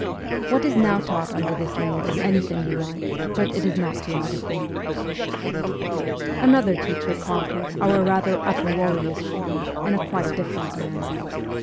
What is now taught under this name is anything you like, but it is not geography. Another teacher conquered our rather uproarious form in a quite different manner.